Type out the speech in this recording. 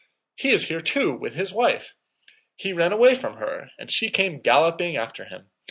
He is here too, with his wife. He ran away from her and she came galloping after him.